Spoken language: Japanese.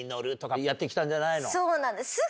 そうなんです。